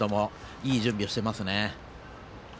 いい準備をしていますね。